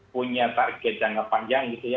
punya target jangka panjang gitu ya